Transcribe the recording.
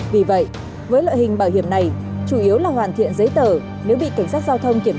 vì vậy với loại hình bảo hiểm này chủ yếu là hoàn thiện giấy tờ nếu bị cảnh sát giao thông kiểm